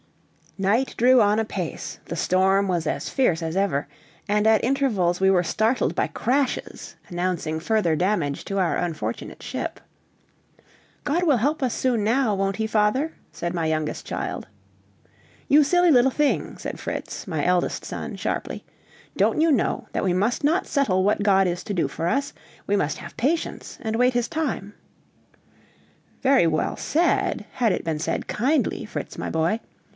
Night drew on apace, the storm was as fierce as ever, and at intervals we were startled by crashes announcing further damage to our unfortunate ship. "God will help us soon now, won't he, father?" said my youngest child. "You silly little thing," said Fritz, my eldest son, sharply, "don't you know that we must not settle what God is to do for us? We must have patience and wait his time." "Very well said, had it been said kindly, Fritz, my boy.